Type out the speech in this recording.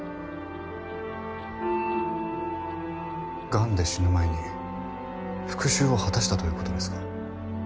がんで死ぬ前に復讐を果たしたということですか。